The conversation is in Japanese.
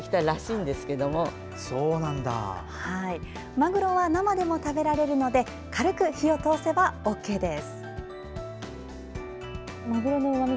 マグロは生でも食べられるので軽く火を通せばＯＫです。